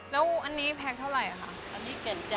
แล้วอันนี้แพงเท่าไหร่คะ